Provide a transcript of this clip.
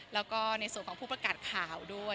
แล้วก็ในส่วนของผู้ประกาศข่าวด้วย